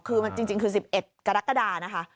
คือจริงคือ๑๑กรกฎานะคะ